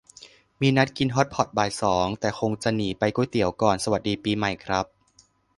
มีนัดกินฮอตพอตบ่ายสอง แต่คงจะหนีไปก๋วยเตี๋ยวก่อน สวัสดีปีใหม่ครับ